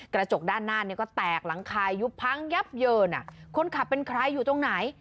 กระจกด้านหน้าเนี่ยก็แตกหลังคายุบพังยับเยินอ่ะคนขับเป็นใครอยู่ตรงไหน